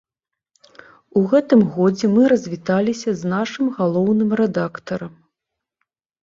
У гэтым годзе мы развіталіся з нашым галоўным рэдактарам.